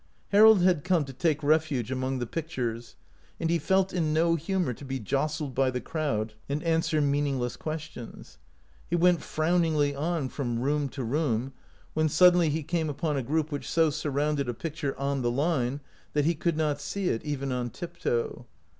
Harold had come to take refuge among the pictures, and he felt in no humor to be jostled by the crowd and answer meaning less questions. He went frowningly on from room to room, when suddenly he came upon a group which so surrounded a picture " on the line " that he could not see it, even on tiptoe.